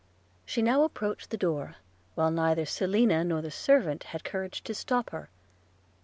She now approached the door, while neither Selina nor the servant had courage to stop her.